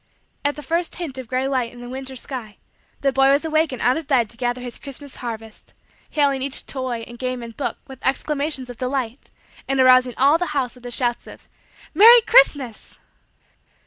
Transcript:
At the first hint of gray light in the winter sky, the boy was awake and out of bed to gather his Christmas harvest; hailing each toy and game and book with exclamations of delight and arousing all the house with his shouts of: "Merry Christmas."